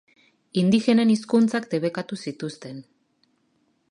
Indigenen hizkuntzak debekatu zituzten.